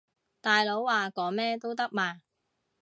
大佬話講咩都得嘛